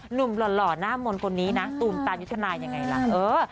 หนุ่มหล่อหน้ามนต์คนนี้นะตู่มตามยุทธนาอย่างไร